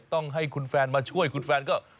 ต้องให้คุณแฟนมาช่วยคุณแฟนก็